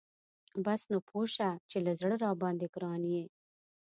بس نو پوه شه چې له زړه راباندی ګران یي .